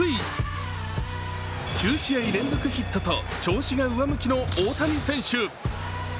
９試合連続ヒットと調子が上向きの大谷選手。